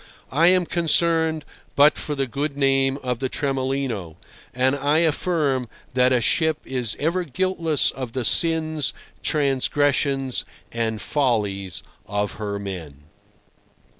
I am concerned but for the good name of the Tremolino, and I affirm that a ship is ever guiltless of the sins, transgressions, and follies of her men.